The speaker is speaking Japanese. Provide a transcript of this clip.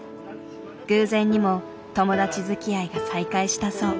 偶然にも友達づきあいが再開したそう。